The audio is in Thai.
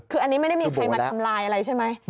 คืออันนี้ไม่ได้มีใครมาทำลายอะไรใช่ไหม